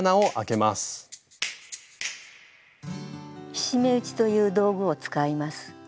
菱目打ちという道具を使います。